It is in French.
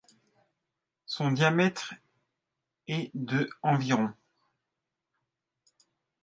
Son diamètre est de environ.